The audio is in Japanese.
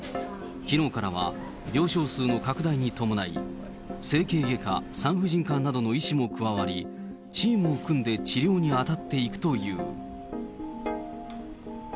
きのうからは病床数の拡大に伴い、整形外科、産婦人科などの医師も加わり、チームを組んで治療に当たっていくという。